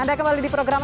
anda kembali di program